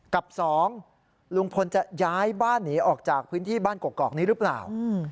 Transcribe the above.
กับ๒ลุงพลจะย้ายบ้านหนีออกจากพื้นที่บ้านกอกนี้หรือเปล่า